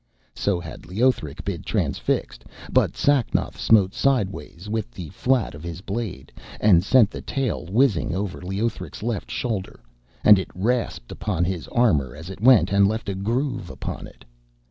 So had Leothric been transfixed; but Sacnoth smote sideways with the flat of his blade, and sent the tail whizzing over Leothric's left shoulder; and it rasped upon his armour as it went, and left a groove upon it.